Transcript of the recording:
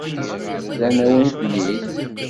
Rran-awen-ten-id.